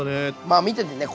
まあ見ててね。